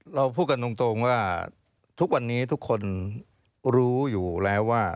เราพูดกันตรงว่าทุกวันนี้ทุกคนรู้อยู่แล้วว่า